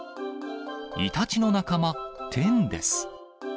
イタチの仲間、テンです。